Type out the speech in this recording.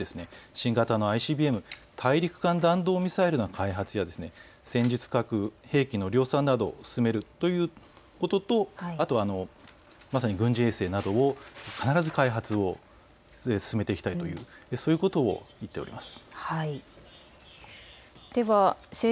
新型のＩＣＢＭ・大陸間弾道ミサイルの開発や戦術核兵器の量産などを進めるということとまさに軍事衛星など必ず開発を進めていきたいと見られています。